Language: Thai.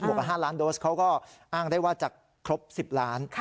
กับ๕ล้านโดสเขาก็อ้างได้ว่าจะครบ๑๐ล้าน